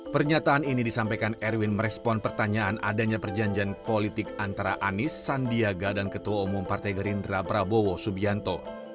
pernyataan ini disampaikan erwin merespon pertanyaan adanya perjanjian politik antara anies sandiaga dan ketua umum partai gerindra prabowo subianto